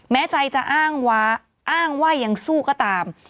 แม้ใจจะอ้างว้าอ้างว่ายังสู้ก็ตาม